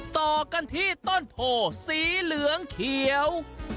ต่อกันที่ต้นโพสีเหลืองเขียว